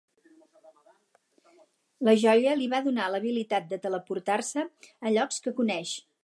La joia li va donar l'habilitat de teleportar-se a llocs que coneix.